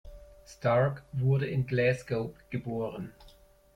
Stark wurde in Glasgow geboren.